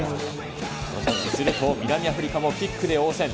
すると南アフリカもキックで応戦。